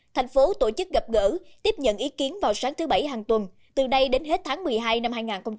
thành phố tổ chức gặp gỡ tiếp nhận ý kiến vào sáng thứ bảy hàng tuần từ nay đến hết tháng một mươi hai năm hai nghìn hai mươi